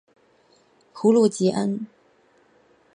普卢吉恩。